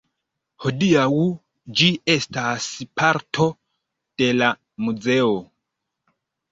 Hodiaŭ ĝi estas parto de la muzeo.